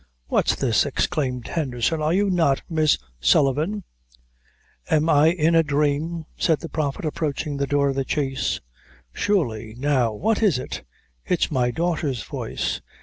"What's this!" exclaimed Henderson. "Are you not Miss Sullivan?" "Am I in a dhrame?" said the Prophet, approaching the door of the chaise. "Surely now what is it? It's my daughter's voice!